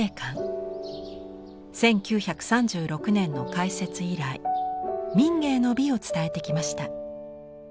１９３６年の開設以来民藝の美を伝えてきました。